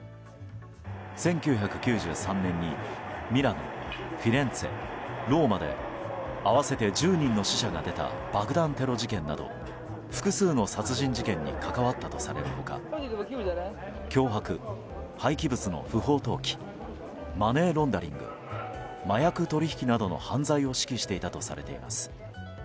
１９９３年にミラノ、フィレンツェ、ローマで合わせて１０人の死者が出た爆弾テロ事件など複数の殺人事件に関わったとされる他脅迫、廃棄物の不法投棄マネーロンダリング麻薬取引などの犯罪を指揮していたとされています。